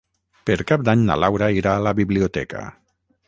Per Cap d'Any na Laura irà a la biblioteca.